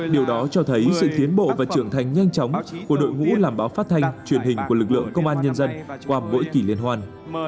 điều đó cho thấy sự tiến bộ và trưởng thành nhanh chóng của đội ngũ làm báo phát thanh truyền hình của lực lượng công an nhân dân qua mỗi kỷ liên hoàn